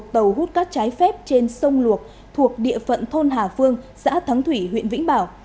tàu hút cát trái phép trên sông luộc thuộc địa phận thôn hà phương xã thắng thủy huyện vĩnh bảo